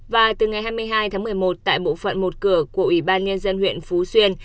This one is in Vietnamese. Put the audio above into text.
và từ ngày hai mươi hai tháng một mươi một tại bộ phận một cửa của ủy ban nhân dân huyện phú xuyên